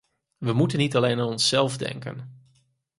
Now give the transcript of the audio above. We moeten niet alleen aan onszelf denken.